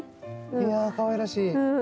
いやぁかわいらしい。